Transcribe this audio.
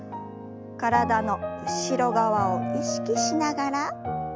体の後ろ側を意識しながら戻して。